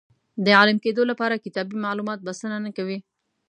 د عالم کېدو لپاره کتابي معلومات بسنه نه کوي.